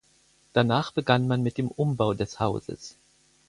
Danach begann man mit dem Umbau des Hauses.